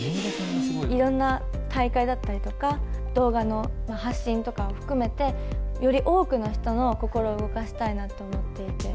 いろんな大会だったりとか、動画の発信とかを含めて、より多くの人の心を動かしたいなと思っていて。